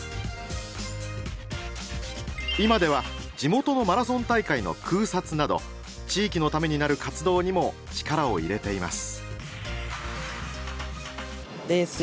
今では地元のマラソン大会の空撮など地域のためになる活動にも力を入れています。